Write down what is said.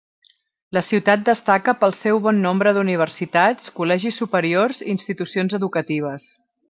La ciutat destaca pel seu bon nombre d'universitats, col·legis superiors i institucions educatives.